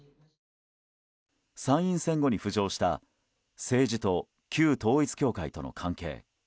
参院選後に浮上した政治と旧統一教会との関係。